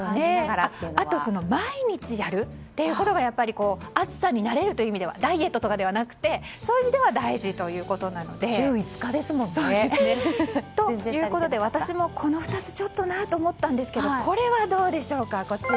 あとは毎日やるというのが暑さに慣れるという意味ではダイエットという意味ではなくて週５日ですもんね。ということで、私もこの２つ、ちょっとなと思ったんですけどこれはどうでしょうか。